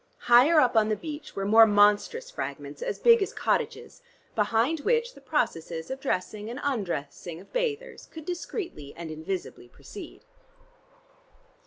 Higher up on the beach were more monstrous fragments, as big as cottages, behind which the processes of dressing and undressing of bathers could discreetly and invisibly proceed.